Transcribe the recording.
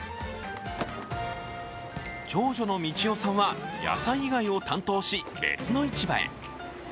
長女の道代さんは野菜以外を担当し、別の市場へ。